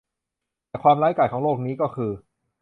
แต่ความร้ายกาจของโรคนี้ก็คือ